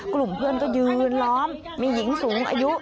กลุ่มเพื่อนก็ยืนล้อมมีหญิงสูงอายุ